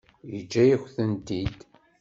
Yeǧǧa-yakent-tent-id.